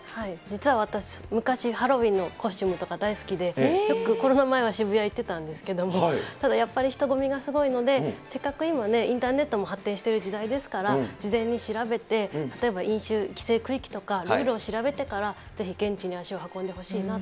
実は私、昔、ハロウィーンのコスチュームとか大好きで、よくコロナ前は渋谷行ってたんですけど、ただやっぱり、人混みがすごいので、せっかく今ね、インターネットも発展してる時代ですから、事前に調べて、例えば飲酒規制区域とか、ルールを調べてから、ぜひ現地に足を運